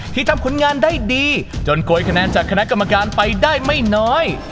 ทำผลงานได้ดีจนโกยคะแนนจากคณะกรรมการไปได้ไม่น้อย